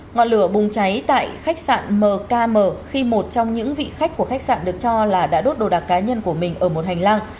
ngọn lửa bùng cháy tại khách sạn mkm khi một trong những vị khách của khách sạn được cho là đã đốt đồ đạc cá nhân của mình ở một hành lang